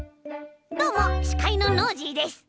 どうもしかいのノージーです！